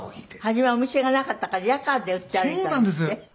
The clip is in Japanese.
初めはお店がなかったからリヤカーで売って歩いたんですって？